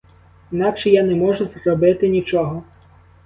Інакше я не можу зробити нічого.